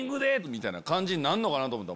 みたいな感じになるかと思った。